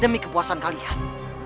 demi kepuasan kalian